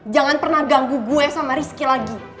jangan pernah ganggu gue sama rizky lagi